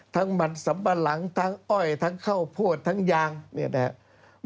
ทั้งมันสัมปะหลังทั้งอ้อยทั้งข้าวโพดทั้งยางเนี่ยนะครับ